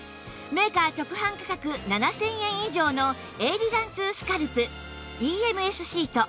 メーカー直販価格７０００円以上のエイリラン２スカルプ ＥＭＳ シート